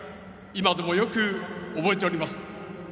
今でもよく覚えております。